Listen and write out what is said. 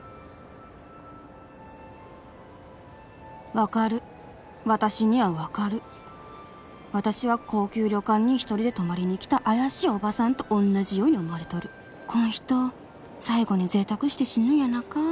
分かる私には分かる私は高級旅館に一人で泊まりに来た怪しいおばさんとおんなじように思われとるこん人最後に贅沢して死ぬんやなか？